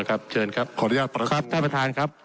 ขออนุญาตประทานครับ